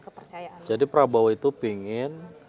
kepercayaan jadi prabowo itu ingin